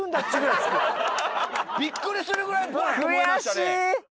びっくりするぐらいバッと燃えましたね。